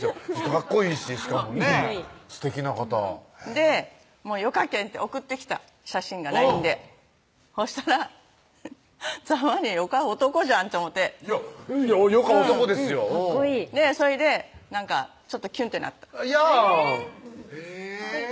かっこいいししかもねぇすてきな方で「よかけん」って送ってきた写真がＬＩＮＥでそしたらざーまによか男じゃんと思てよか男ですようんかっこいいそれでなんかキュンってなったいやんへぇ